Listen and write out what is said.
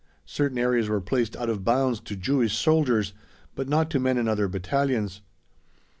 Certain areas were placed out of bounds to "Jewish soldiers" but not to men in other battalions.